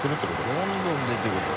どんどん出てくる。